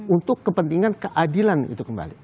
untuk kepentingan keadilan itu kembali